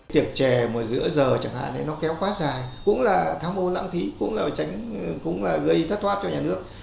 tiệc trè mùa giữa giờ chẳng hạn nó kéo quá dài cũng là tham mô lãng phí cũng là gây thất thoát cho nhà nước